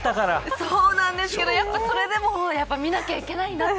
そうなんですけどやっぱりそれでも見なきゃいけないなって。